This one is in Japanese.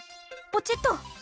ポチッと。